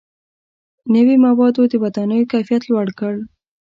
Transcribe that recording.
• نوي موادو د ودانیو کیفیت لوړ کړ.